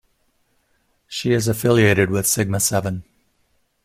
She is affiliated with Sigma Seven.